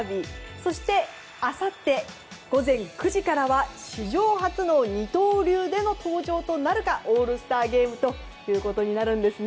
そして、あさって午前９時からは史上初の二刀流での登場となるかオールスターゲームとなるんですね。